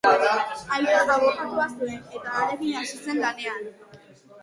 Aita abokatua zuen, eta harekin hasi zen lanean.